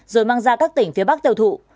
rồi mang ra các tỉnh phía bắc tiêu thụ